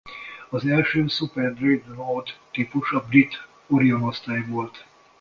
Az első szuper-dreadnought típus a brit Orion osztály volt.